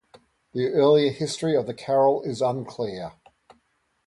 The earlier history of the carol is unclear.